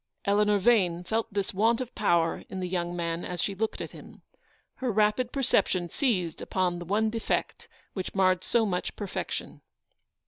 Eleanor Yane felt this want of power in the young man as she looked at him. Her rapid perception seized upon the one defect which marred so much perfection.